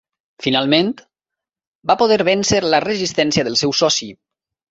Finalment, va poder vèncer la resistència del seu soci.